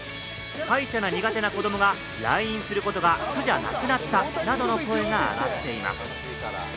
歯医者が苦手な子どもが来院することが苦じゃなくなったなどの声が上がっています。